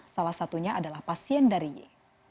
salah satunya adalah pasien dari y